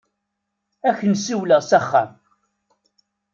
Ad ak-n-siwleɣ s axxam.